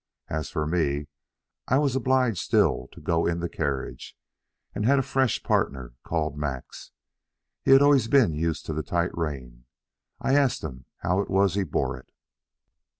As for me, I was obliged still to go in the carriage, and had a fresh partner called Max; he had always been used to the tight rein. I asked him how it was he bore it.